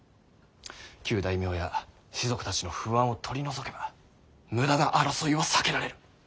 旧大名や士族たちの不安を取り除けば無駄な争いは避けられる。